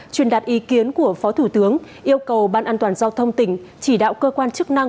truyền đạt ý kiến của phó thủ tướng yêu cầu ban an toàn giao thông tỉnh chỉ đạo cơ quan chức năng